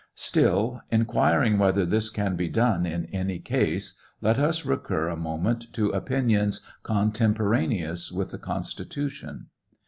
Still, inquiring whether this can be done iu any case, let us recur a moment to opinions cotemporaneous with the Constitution.